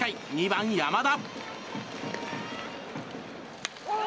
２番、山田。